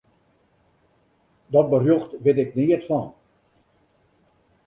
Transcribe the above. Dat berjocht wit ik neat fan.